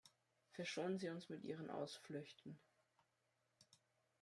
Verschonen Sie uns mit Ihren Ausflüchten.